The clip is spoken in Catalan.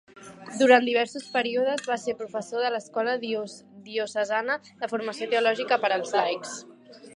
Durant diversos períodes va ser professor de l'escola diocesana de formació teològica per als laics.